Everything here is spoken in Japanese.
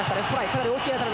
かなり大きい当たり。